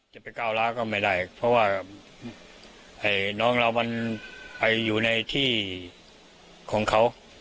จะไปก้าวล้าก็ไม่ได้เพราะว่าน้องเรามันไปอยู่ในที่ของเขา